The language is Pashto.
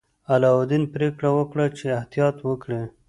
علاوالدین پریکړه وکړه چې احتیاط وکړي.